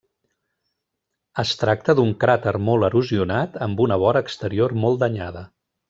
Es tracta d'un cràter molt erosionat, amb una vora exterior molt danyada.